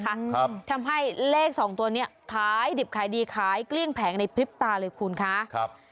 ครับทำให้เลขสองตัวเนี้ยขายดิบขายดีขายเกลี้ยงแผงในพริบตาเลยคุณคะครับ